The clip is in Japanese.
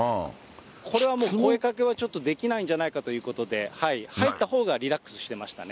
これはもう、声かけはちょっとできないんじゃないかということで、入ったほうがリラックスしていましたね。